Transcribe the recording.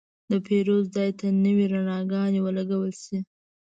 د پیرود ځای ته نوې رڼاګانې ولګول شوې.